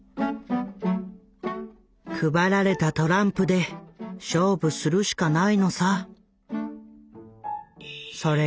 「配られたトランプで勝負するしかないのさ」。